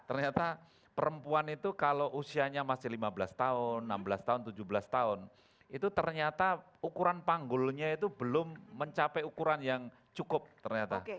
ternyata perempuan itu kalau usianya masih lima belas tahun enam belas tahun tujuh belas tahun itu ternyata ukuran panggulnya itu belum mencapai ukuran yang cukup ternyata